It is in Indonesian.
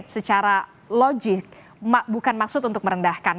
secara logik bukan maksud untuk merendahkan